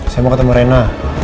saya mau ketemu rena